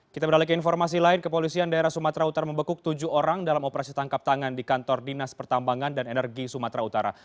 kita beralih ke informasi lain kepolisian daerah sumatera utara membekuk tujuh orang dalam operasi tangkap tangan di kantor dinas pertambangan dan energi sumatera utara